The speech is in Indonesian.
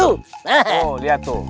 oh lihat tuh